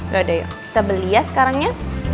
gak ada ya kita beli ya sekarang ya